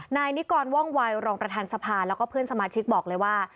นายนิกรว่องวัยรองประธานสภาแล้วก็เพื่อนสมาชิกบอกเลยว่า